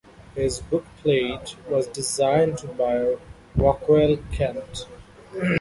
His bookplate was designed by Rockwell Kent.